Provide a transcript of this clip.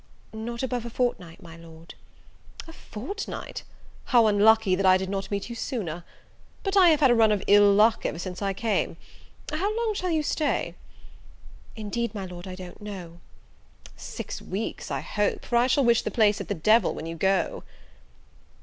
"Not above a fortnight, my Lord." "A fortnight! how unlucky that I did not meet you sooner! but I have had a run of ill luck ever since I came. How long shall you stay?" "Indeed, my Lord, I don't know." "Six weeks, I hope; for I shall wish the place at the devil when you go."